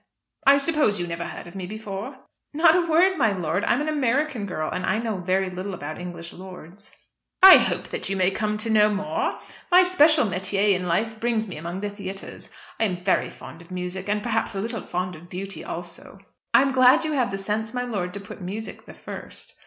"I suppose you never heard of me before?" "Not a word, my lord. I'm an American girl, and I know very little about English lords." "I hope that you may come to know more. My special métier in life brings me among the theatres. I am very fond of music, and perhaps a little fond of beauty also." "I am glad you have the sense, my lord, to put music the first."